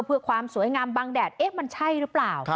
เพื่อความสวยงามบางแดดเอ๊ะมันใช่หรือเปล่า